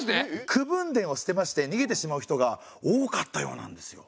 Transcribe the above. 口分田を捨てまして逃げてしまう人が多かったようなんですよ。